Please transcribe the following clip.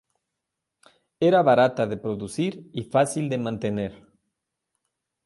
Era barata de producir y fácil de mantener.